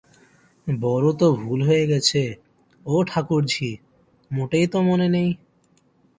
বড় তো ভুল হয়ে গেছে, ও ঠাকুরঝি, মোটেই তো মনে নেই।